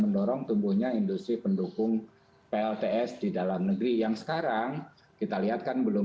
mendorong tumbuhnya industri pendukung plts di dalam negeri yang sekarang kita lihat kan belum